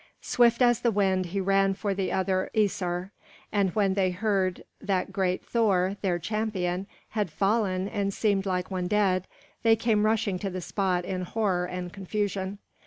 Swift as the wind he ran for the other Æsir, and when they heard that great Thor, their champion, had fallen and seemed like one dead, they came rushing to the spot in horror and confusion.